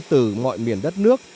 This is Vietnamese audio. từ mọi miền đất nước